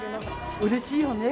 うれしいよね。